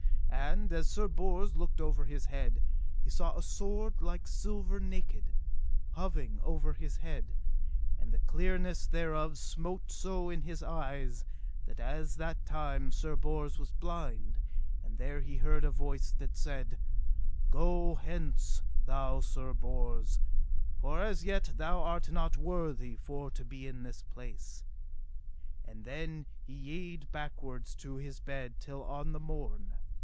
And as Sir Bors looked over his head he saw a sword like silver, naked, hoving over his head, and the clearness thereof smote so in his eyes that as at that time Sir Bors was blind; and there he heard a voice that said: Go hence, thou Sir Bors, for as yet thou art not worthy for to be in this place. And then he yede backward to his bed till on the morn.